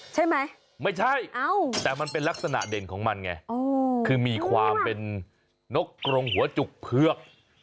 ไม่ใช่แต่มันเป็นลักษณะเด่นของมันไงคือมีความเป็นนกกรงหัวจุกเผือก